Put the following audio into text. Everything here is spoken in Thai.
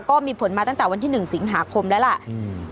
ก็มีผลมาตั้งแต่วันที่๑สิงหาคมแล้วล่ะ